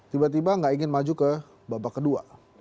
tiba tiba gak ingin maju ke babak kedua